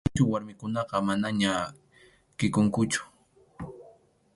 Chichu warmikunaqa manaña kʼikunkuchu.